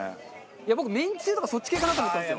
僕めんつゆとかそっち系かなと思ったんですよ。